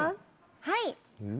はい！